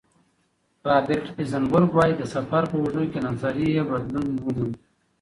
رابرټ ایزنبرګ وايي، د سفر په اوږدو کې نظر یې بدلون وموند.